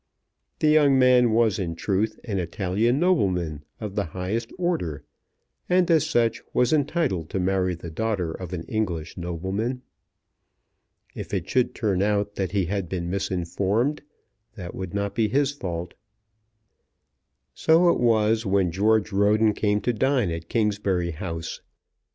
The young man was in truth an Italian nobleman of the highest order, and as such was entitled to marry the daughter of an English nobleman. If it should turn out that he had been misinformed, that would not be his fault. So it was when George Roden came to dine at Kingsbury House.